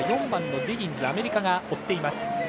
４番のディギンズアメリカが追っています。